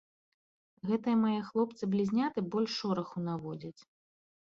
Гэта мае хлопцы-блізняты больш шораху наводзяць.